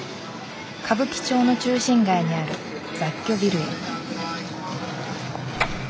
歌舞伎町の中心街にある雑居ビルヘ。